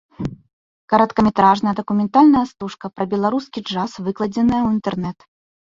Кароткаметражная дакументальная стужка пра беларускі джаз выкладзеная ў інтэрнэт.